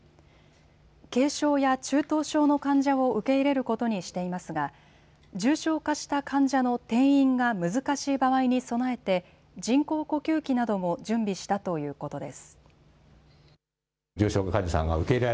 軽症や中等症の患者を受け入れることにしていますが重症化した患者の転院が難しい場合に備えて人工呼吸器なども準備したということです。